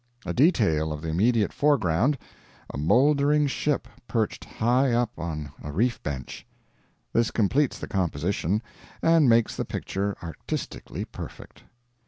A detail of the immediate foreground: a mouldering ship perched high up on a reef bench. This completes the composition, and makes the picture artistically perfect.